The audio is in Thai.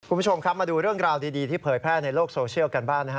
คุณผู้ชมครับมาดูเรื่องราวดีที่เผยแพร่ในโลกโซเชียลกันบ้างนะฮะ